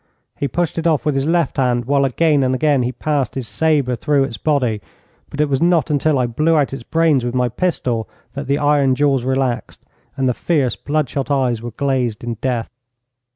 He pushed it off with his left hand, while again and again he passed his sabre through its body, but it was not until I blew out its brains with my pistol that the iron jaws relaxed, and the fierce, bloodshot eyes were glazed in death.